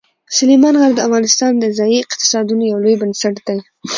سلیمان غر د افغانستان د ځایي اقتصادونو یو لوی بنسټ دی.